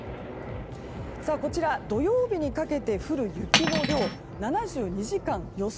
こちらは土曜日にかけて降る雪の量７２時間予想